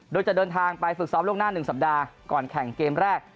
โดยจะเดินทางไปฝึกซ้อมล่วงหน้า๑สัปดาห์ก่อนแข่งเกมแรก